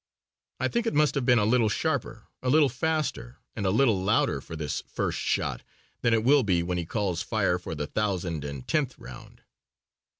I think it must have been a little sharper, a little faster and a little louder for this first shot than it will be when he calls "fire" for the thousand and tenth round.